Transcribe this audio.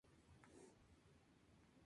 Luego arresta y ejecuta a Stefan.